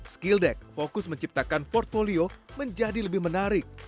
skilledat fokus menciptakan portfolio menjadi lebih menarik